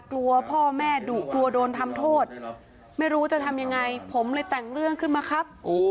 กลัวพ่อแม่ดุกลัวโดนทำโทษไม่รู้จะทำยังไงผมเลยแต่งเรื่องขึ้นมาครับ